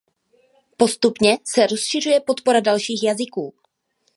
Postupně se rozšiřuje podpora dalších jazyků.